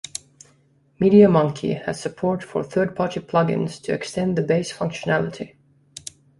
MediaMonkey has support for third-party plugins to extend the base functionality.